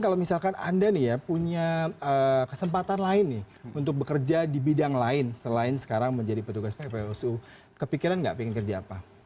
kalau misalkan anda nih ya punya kesempatan lain nih untuk bekerja di bidang lain selain sekarang menjadi petugas ppwsu kepikiran nggak pengen kerja apa